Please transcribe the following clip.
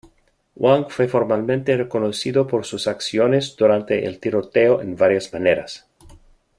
Wang fue formalmente reconocido por sus acciones durante el tiroteo en varias maneras.